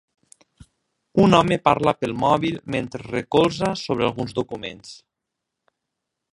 Un home parla pel mòbil mentre es recolza sobre alguns documents.